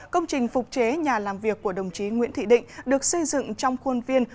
công trình phục chế nhà làm việc của đồng chí nguyễn thị định được xây dựng trong khuôn viên